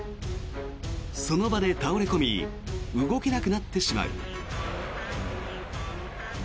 その場で倒れ込み動けなくなってしまう。